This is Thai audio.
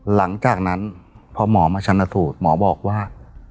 หลังจากนั้นพอหมอมาชนะสูตรหมอบอกว่า